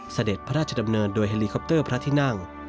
เสด็จพระราชดำเนินด้วยเฮลีคอปเตอร์พระทินทรัง